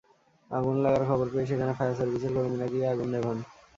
আগুন লাগার খবর পেয়ে সেখানে ফায়ার সার্ভিসের কর্মীরা গিয়ে আগুন নেভান।